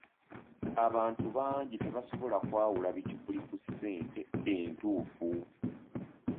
Abantu bangi tebasobola kwawula bikyupuli ku ssente entuufu.